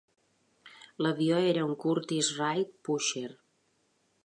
L'avió era un Curtiss-Wright "Pusher".